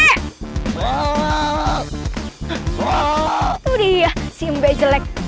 itu dia si mbe jelek